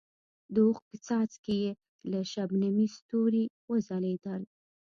د اوښکو څاڅکي یې لکه شبنمي ستوري وځلېدل.